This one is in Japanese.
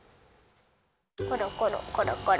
コロコロコロコロ。